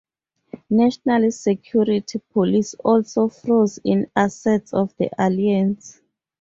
National Security police also froze in assets of the Alliance.